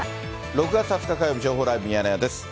６月２０日火曜日、情報ライブ、ミヤネ屋です。